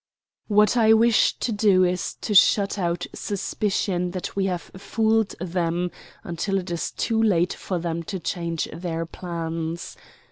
What I wish to do is to shut out suspicion that we have fooled them until it is too late for them to change their plans.